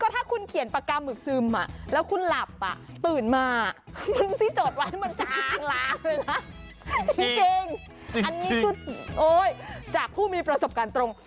ถ้าคุณเขียนปากกาหมึกซึมแล้วคุณหลับตื่นมามึงที่จดไว้มันจางล้างเลยนะจริงอันนี้ก็จากผู้มีประสบการณ์ตรง